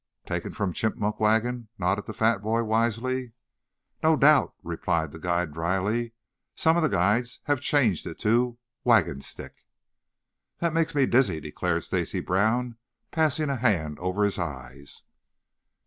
'" "Taken from 'chipmunk wagon,'" nodded the fat boy wisely. "No doubt," replied the guide dryly. "Some of the guides have changed it to 'waugan stick.'" "You make me dizzy," declared Stacy Brown, passing a hand over his eyes.